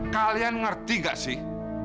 kalian ngerti nggak sih